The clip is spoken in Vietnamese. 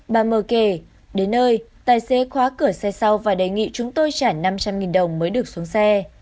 bà mờ kể đến nơi tài xế khóa cửa xe sau và đề nghị chúng tôi trả năm trăm linh đồng mới được xuống xe